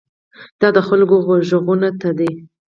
دا د خلکو غوږونو ته ده.